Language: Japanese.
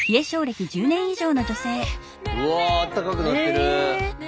うわあったかくなってる！